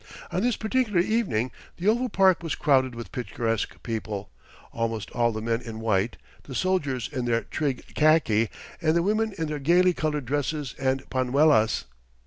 On this particular evening, the oval park was crowded with picturesque people, almost all the men in white, the soldiers in their trig khaki, and the women in their gaily coloured dresses and panuelas.